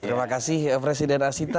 terima kasih presiden asita